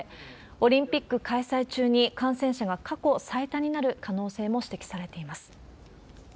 オリンピック開催中に感染者が過去最多になる可能性も指摘されています。